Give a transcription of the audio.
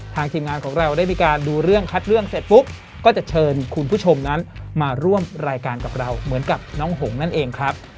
ทีมงานของเราได้มีการดูเรื่องคัดเรื่องเสร็จปุ๊บก็จะเชิญคุณผู้ชมนั้นมาร่วมรายการกับเราเหมือนกับน้องหงนั่นเองครับ